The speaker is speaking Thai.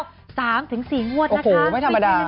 ๓๔งวดนะคะไม่เคยเล่นนะไปฟังเสียงค่ะ